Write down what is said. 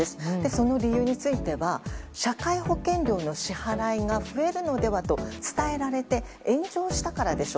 その理由については社会保険料の支払いが増えるのではと伝えられて、炎上したからでしょ。